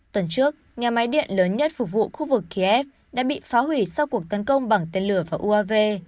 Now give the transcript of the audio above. tuần trước nhà máy điện lớn nhất phục vụ khu vực kiev đã bị phá hủy sau cuộc tấn công bằng tên lửa vào uav